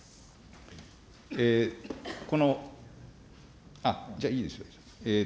この、じゃあいいですよ。